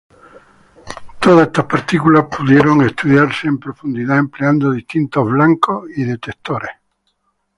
Todas estas partículas pudieron ser estudiadas en profundidad empleando distintos blancos y detectores.